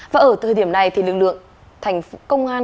và ở thời điểm này thì lực lượng thành phố công an